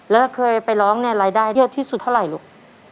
แล้วเคยไปร้องเนี่ยรายได้เยอะที่สุดเท่าไหร่ลูก